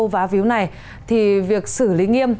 và víu này thì việc xử lý nghiêm